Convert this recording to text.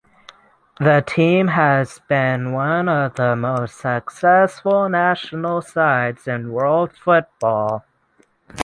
The team has been one of the most successful national sides in world football.